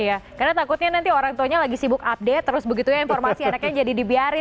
iya karena takutnya nanti orang tuanya lagi sibuk update terus begitu ya informasi anaknya jadi dibiarin